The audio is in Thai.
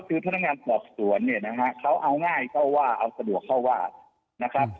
คือพนักงานสอบสวนเนี่ยนะฮะเขาเอาง่ายเข้าว่าเอาสะดวกเข้าว่านะครับ